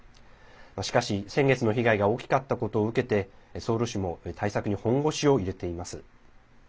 しかし、先月の被害が大きかったことを受けてソウル市も対策に本腰を入れています。